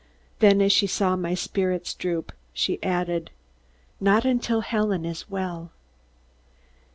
Then as she saw my spirits droop, she added, "Not till Helen is well."